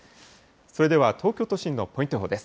それでは、東京都心のポイント予報です。